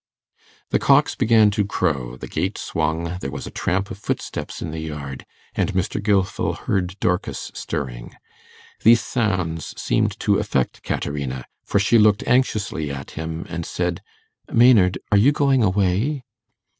The cocks began to crow; the gate swung; there was a tramp of footsteps in the yard, and Mr. Gilfil heard Dorcas stirring. These sounds seemed to affect Caterina, for she looked anxiously at him and said, 'Maynard, are you going away?